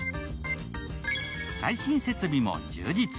最新設備も充実。